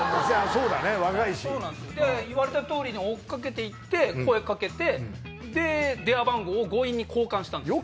そうだね若いし。で言われた通りに追っ掛けて行って声掛けてで電話番号を強引に交換したんですよ。